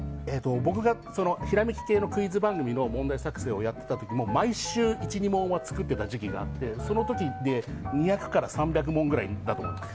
僕がひらめき系のクイズ番組の問題作成をやっていた時も毎週、１２問は作っていた時期があってその時、２００から３００問くらいいったんです。